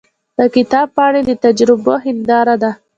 د کتاب پاڼې د تجربو هنداره ده.